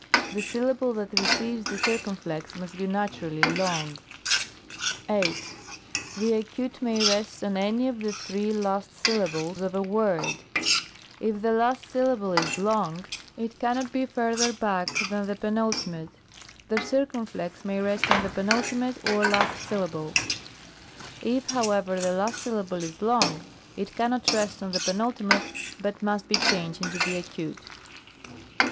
The syllable that receives the circumflex must be naturally long. 8. The acute may rest on any of the three last syl 24 PAETS OF SPEECH. — ^DECLENSION. §10. lables of a word ; if the last syllable is long, it cannot be farther back than the penult. The circumflex may rest on the penult, or last syllable ; if, however, the last syllable is long, it cannot rest on the penult, but must be changed into the acute.